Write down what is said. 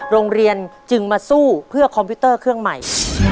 โรงเรียนจึงมาสู้เพื่อคอมพิวเตอร์เครื่องใหม่